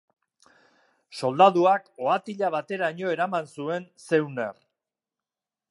Soldaduak ohatila bateraino eraman zuen Zeuner.